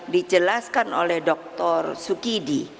dijelaskan oleh dr sukidi